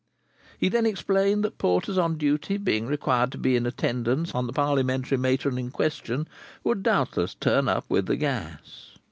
He then explained that porters on duty being required to be in attendance on the Parliamentary matron in question, would doubtless turn up with the gas.